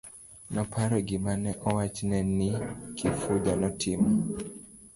Noparo gima ne owachne ni Kifuja notimo.